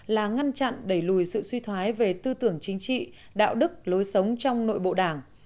là ngăn chặn đẩy lùi sự suy thoái về tư tưởng chính trị đạo đức lối sống trong nội bộ đảng